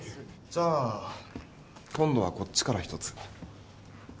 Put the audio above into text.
じゃあ今度はこっちから一つ。